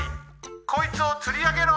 こいつをつりあげろ！